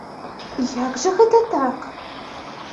Як жа гэта так?